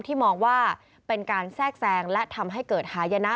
มองว่าเป็นการแทรกแซงและทำให้เกิดหายนะ